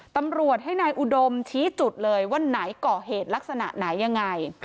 ตำรวจให้นายอุดมชี้จุดเลยว่าไหนก่อเหตุลักษณะไหนยังไง